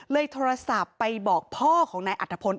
โทรศัพท์ไปบอกพ่อของนายอัฐพล